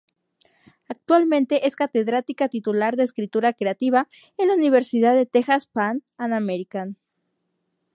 Actualmente es catedrática titular de Escritura Creativa en la Universidad de Texas-Pan American.